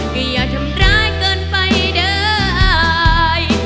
ก็อย่าทำร้ายเกินไปได้